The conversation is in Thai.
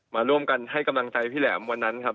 มาร่วมกันให้กำลังใจพี่แหลมวันนั้นครับ